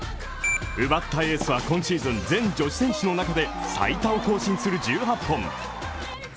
奪ったエースは今シーズン全女子選手の中で最多を更新する１８本。